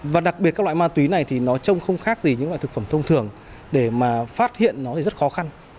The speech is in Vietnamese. và đặc biệt các loại ma túy này thì nói chung không khác gì những loại thực phẩm thông thường để mà phát hiện nó thì rất khó khăn